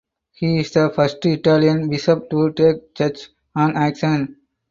He is the first Italian bishop to take such an action.